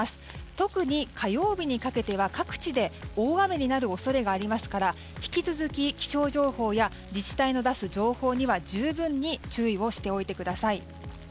特に火曜日にかけては各地で大雨になる恐れがありますから引き続き、気象情報や自治体の出す情報には十分に注意しておいてください。